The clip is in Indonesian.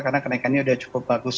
karena kenaikannya sudah cukup bagus